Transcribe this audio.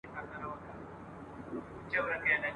کتاب د انسان د شخصيت په جوړولو کي مهم رول لري او اغېز کوي ..